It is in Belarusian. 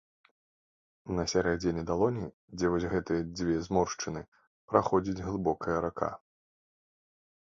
На сярэдзіне далоні, дзе вось гэтыя дзве зморшчыны, праходзіць глыбокая рака.